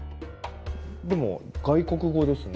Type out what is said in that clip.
でも外国語ですね。